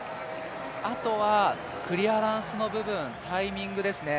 あとはクリアランスの部分、タイミングですね。